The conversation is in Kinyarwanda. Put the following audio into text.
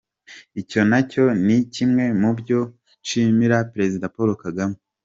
Icyo na cyo ni kimwe mu byo nshimira Perezida Paul Kagame.